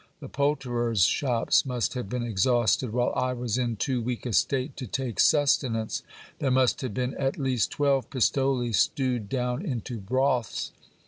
The poulterers' shops must have been exhausted, while I was in too weak a state to take sustenance ! There must have been at least twelve pistoles stewed down into broths.